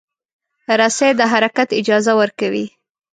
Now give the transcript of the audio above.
رسۍ د حرکت اجازه ورکوي.